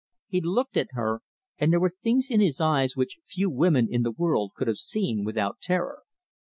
He looked at her, and there were things in his eyes which few women in the world could have seen without terror.